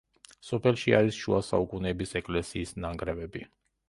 სოფელში არის შუა საუკუნეების ეკლესიის ნანგრევები.